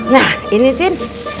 nah ini tin